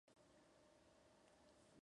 Su silueta recuerda al puente de Vizcaya.